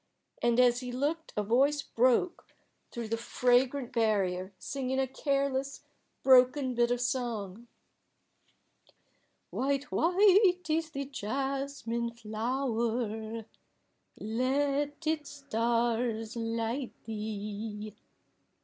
And as he looked a voice broke through the fragrant barrier singing a careless, broken bit of song "White, white is the jasmine flower; Let its stars light thee."